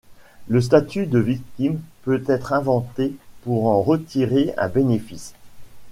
Le statut de victime peut être inventé pour en retirer un bénéfice.